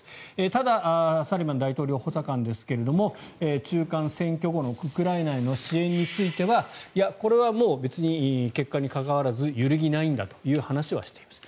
ただサリバン大統領補佐官ですが中間選挙後のウクライナへの支援についてはこれはもう別に結果にかかわらず揺るぎないんだという話はしています。